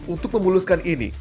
untuk memuluskan ini